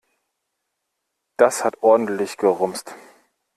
Das hat ordentlich gerumst.